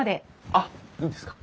あっいいんですか？